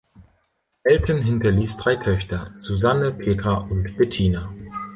Elten hinterließ drei Töchter: Susanne, Petra und Bettina.